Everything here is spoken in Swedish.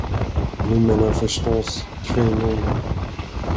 Ni menar förstås kvinnorna.